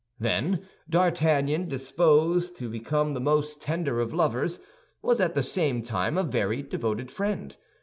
Then D'Artagnan, disposed to become the most tender of lovers, was at the same time a very devoted friend.